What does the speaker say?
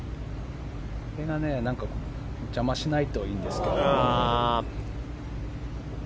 それが邪魔しないといいんですけど。